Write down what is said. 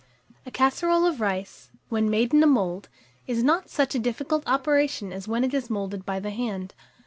A casserole of rice, when made in a mould, is not such a difficult operation as when it is moulded by the hand.